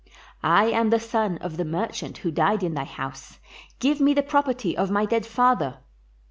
I am the son of the merchant who died in thy house ; give me the property of my dead father."